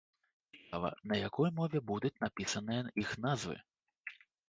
Цікава, на якой мове будуць напісаныя іх назвы.